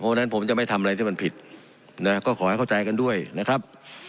เพราะฉะนั้นผมจะไม่ทำอะไรที่มันผิดนะก็ขอให้เข้าใจกันด้วยนะครับ